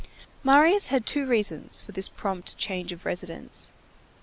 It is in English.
Marius had two reasons for this prompt change of residence.